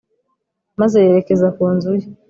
maze yerekeza ku nzu ye